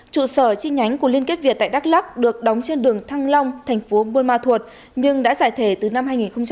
trụ sở chi nhánh của liên kết việt tại đắk lắc được đóng trên đường thăng long thành phố buôn ma thuột nhưng đã giải thể từ năm hai nghìn một mươi